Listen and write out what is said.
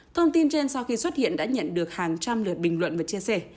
thông tin trên sau khi xuất hiện đã nhận được hàng trăm lời bình luận và chia sẻ